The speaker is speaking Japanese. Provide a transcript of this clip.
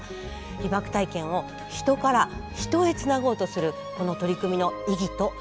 被爆体験を人から人へつなごうとするこの取り組みの意義と課題